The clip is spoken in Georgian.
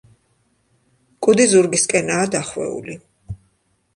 კუდი ზურგისკენაა დახვეული.